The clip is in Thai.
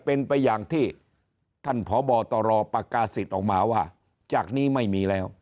เป็นไปอย่างที่ท่านพบตรประกาศิษย์ออกมาว่าจากนี้ไม่มีแล้ว